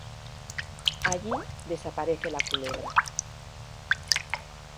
Allí desaparece la culebra.